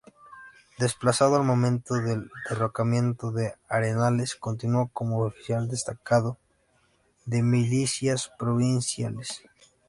Desplazado al momento del derrocamiento de Arenales, continuó como oficial destacado de milicias provinciales.